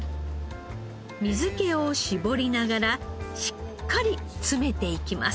水気を絞りながらしっかり詰めていきます。